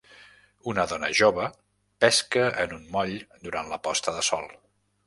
una dona jove pesca en un moll durant la posta de sol.